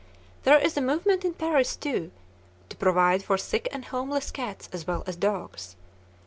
There is a movement in Paris, too, to provide for sick and homeless cats as well as dogs.